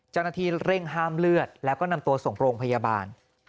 เจ้าหน้าที่เร่งห้ามเลือดแล้วก็นำตัวส่งโรงพยาบาล